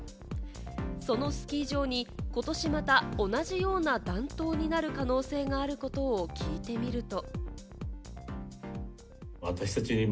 そのスキー場にことし、また同じような暖冬になる可能性があることを聞いてみると。